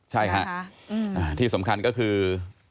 ใช่ค่ะที่สำคัญก็คือ